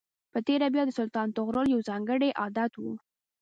په تېره بیا د سلطان طغرل یو ځانګړی عادت و.